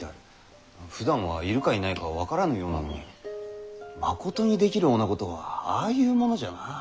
ふだんはいるかいないか分からぬようなのにまことにできるおなごとはああいうものじゃなあ。